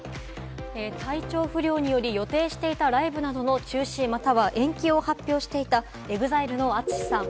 体調不良により予定していたライブなどの中止、または延期を発表していたＥＸＩＬＥのＡＴＳＵＳＨＩさん。